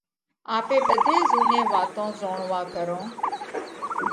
آپي ٻڌي زُوني واتون زوڻوا ڪرونه،